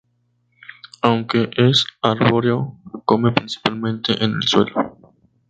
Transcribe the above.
Aunque es arbóreo, come principalmente en el suelo.